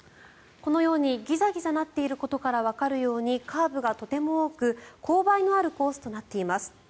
このようにギザギザなっていることからわかるようにカーブがとても多く勾配のあるコースとなっています。